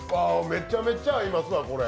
めちゃめちゃ合いますわ、これ。